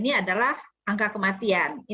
ini yang masih harus kita perbaiki